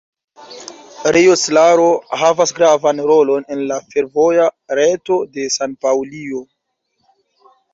Rio Claro havas gravan rolon en la fervoja reto de San-Paŭlio.